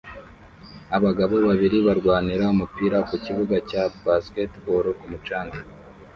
Abagabo babiri barwanira umupira ku kibuga cya basketball ku mucanga